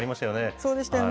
そうでしたよね。